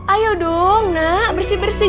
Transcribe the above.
ayo dong nak bersih bersih